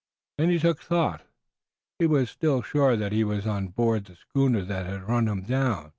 Then he took thought. He was still sure that he was on board the schooner that had run him down.